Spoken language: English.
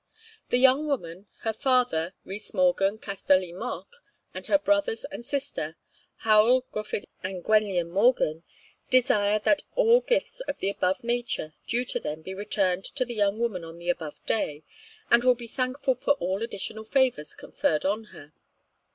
The Young Woman, her Father (Rhys Morgan, Castell y Moch), and her Brothers and Sister (Howel, Gruffydd, and Gwenllïan Morgan), desire that all gifts of the above nature due to them be returned to the Young Woman on the above day, and will be thankful for all additional favours conferred on her.